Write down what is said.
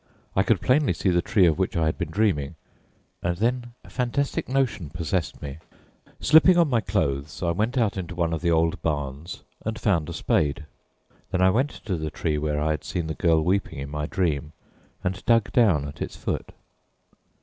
I could plainly see the tree of which I had been dreaming, and then a fantastic notion possessed me. Slipping on my clothes, I went out into one of the old barns and found a spade. Then I went to the tree where I had seen the girl weeping in my dream and dug down at its foot.